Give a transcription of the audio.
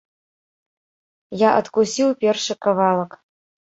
Я адкусіў першы кавалак.